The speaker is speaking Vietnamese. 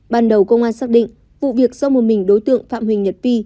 ban đầu công an xác định vụ việc do một mình đối tượng phạm huỳnh nhật vi